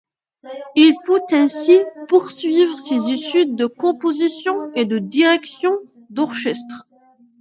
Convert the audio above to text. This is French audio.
Il put ainsi poursuivre ses études de composition et de direction d’orchestre.